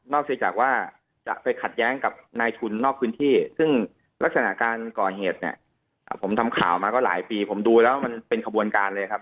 เสียจากว่าจะไปขัดแย้งกับนายทุนนอกพื้นที่ซึ่งลักษณะการก่อเหตุเนี่ยผมทำข่าวมาก็หลายปีผมดูแล้วมันเป็นขบวนการเลยครับ